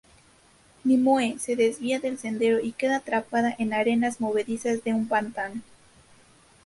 Nimue se desvía del sendero y queda atrapada en arenas movedizas de un pantano.